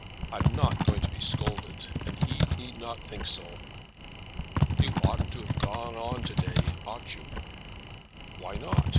I'm not going to be scolded, and he need not think so." "You oughtn't to have gone on to day, ought you?" "Why not?